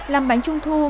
làm bánh trung thu